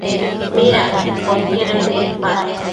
¿Midacquid podquedën nidpash?